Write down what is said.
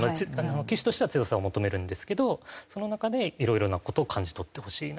棋士としては強さを求めるんですけどその中でいろいろな事を感じ取ってほしいな。